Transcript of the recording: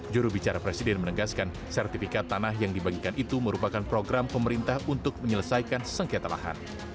jurubicara presiden menegaskan sertifikat tanah yang dibagikan itu merupakan program pemerintah untuk menyelesaikan sengketa lahan